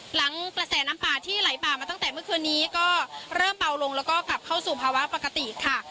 หลังกระแสน้ำป่าที่ไหลบ่ามาตั้งแต่เมื่อคืนนี้ก็เริ่มเบาลงแล้วก็กลับเข้าสู่ภาวะปกติค่ะ